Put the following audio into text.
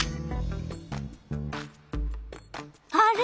あれ？